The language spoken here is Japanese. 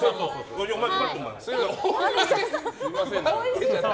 すみません。